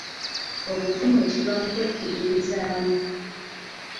Obuvumu kiva mu kwekkiririzaamu.